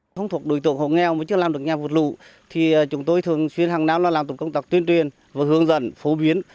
không thuộc đối tượng hộ nghèo mà chưa làm được nhà vượt lũ thì chúng tôi thường xuyên hàng năm làm tốt công tác tuyên truyền và hướng dẫn phổ biến